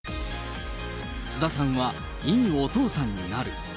菅田さんは、いいお父さんになる。